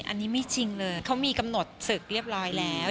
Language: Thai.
อันนี้ไม่จริงเลยเขามีกำหนดศึกเรียบร้อยแล้ว